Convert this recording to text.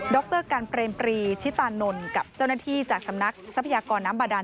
รการเปรมปรีชิตานนท์กับเจ้าหน้าที่จากสำนักทรัพยากรน้ำบาดาน